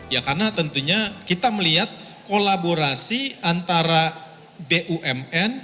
ya karena tentunya kita melihat kolaborasi antara bumn